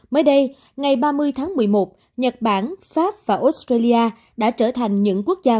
mới đây ngày ba mươi tháng một mươi một nhật bản pháp và australia đã trở thành những quốc gia